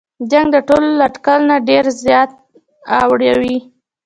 جنګ د ټولو له اټکل نه ډېر زیان اړوي.